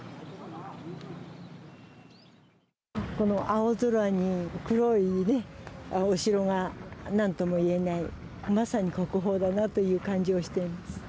青空に黒いお城がなんともいえないまさに国宝だなという感じがしています。